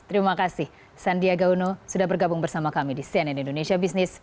terima kasih sandiaga uno sudah bergabung bersama kami di cnn indonesia business